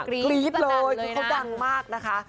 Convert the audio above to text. กรี๊ดเลยเขากลังมากนะคะ